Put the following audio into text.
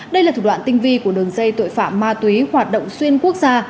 đây là thủ đoạn tinh vi của đường dây tội phạm ma túy hoạt động xuyên quốc gia